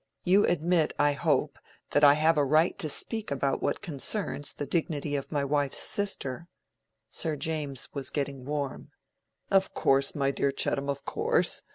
You admit, I hope, that I have a right to speak about what concerns the dignity of my wife's sister?" Sir James was getting warm. "Of course, my dear Chettam, of course.